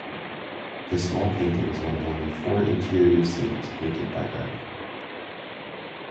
The small painting is one of only four interior scenes painted by Gaertner.